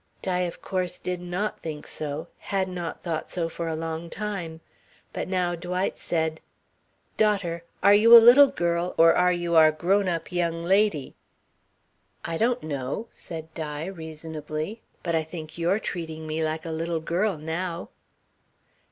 Di of course did not think so, had not thought so for a long time. But now Dwight said: "Daughter! Are you a little girl or are you our grown up young lady?" "I don't know," said Di reasonably, "but I think you're treating me like a little girl now."